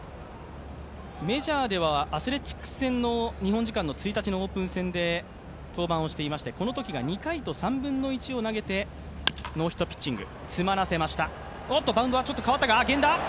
メジャーではアスレチックス戦で登板をしていましてこのときが２回と３分の１を投げてノーヒットピッチング。